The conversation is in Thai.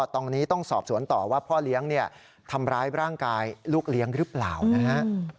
ตอนนี้ต้องสอบสวนต่อว่าพ่อเลี้ยงทำร้ายร่างกายลูกเลี้ยงหรือเปล่านะฮะ